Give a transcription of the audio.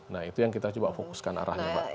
nah itu yang kita coba fokuskan arahnya mbak